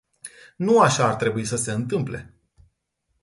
Nu așa ar trebui să se întâmple.